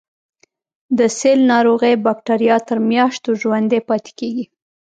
د سل ناروغۍ بکټریا تر میاشتو ژوندي پاتې کیږي.